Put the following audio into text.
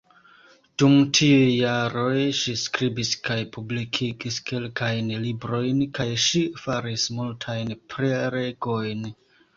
Dum tiuj jaroj ŝi skribis kaj publikigis kelkajn librojn, kaj ŝi faris multajn prelegojn.